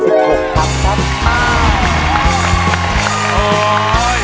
เชื่อมไปแล้วพี่